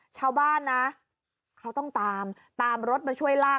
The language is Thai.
ชาวบ้านนะเขาต้องตามตามรถมาช่วยลาก